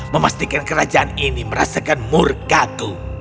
memastikan kerajaan ini merasakan murkaku